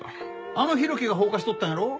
あの浩喜が放火しとったんやろ？